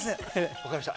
分かりました。